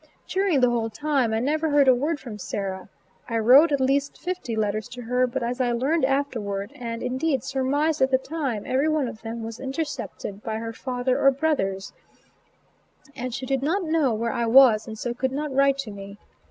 During the whole time I never heard a word from Sarah. I wrote at least fifty letters to her, but as I learned afterward, and, indeed, surmised at the time, every one of them was intercepted by her father or brothers, and she did not know where I was and so could not write to me.